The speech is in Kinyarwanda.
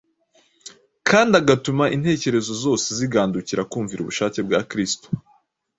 kandi agatuma intekerezo zose zigandukira kumvira ubushake bwa Kristo